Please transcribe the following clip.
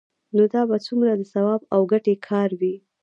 نو دا به څومره د ثواب او ګټې کار وي؟